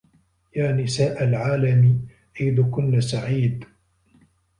يا نساء العالم عيدكن سعيد!